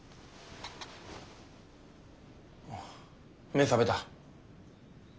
目ぇ覚めた？